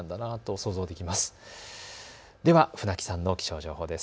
では船木さんの気象情報です。